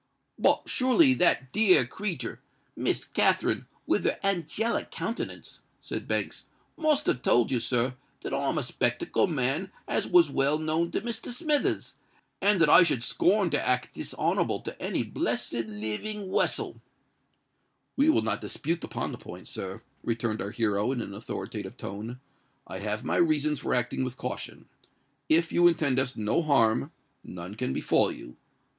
"But surely that dear creetur, Miss Katherine, with her angelic countenance," said Banks, "must have told you, sir, that I'm a 'spectable man as was well known to Mr. Smithers, and that I should scorn to act dishonourable to any blessed living wessel." "We will not dispute upon the point, sir," returned our hero, in an authoritative tone. "I have my reasons for acting with caution. If you intend us no harm—none can befall you.